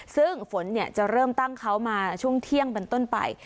ซึ่งฝนจะเริ่มตั้งเขามาช่วงเที่ยงเป็นต้นไป